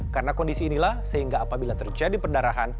karena kondisi inilah sehingga apabila terjadi perdarahan